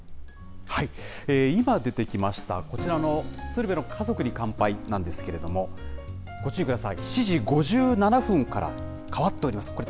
今出てきました、こちらの鶴瓶の家族に乾杯なんですけれども、ご注意ください、７時５７分から、変わっております。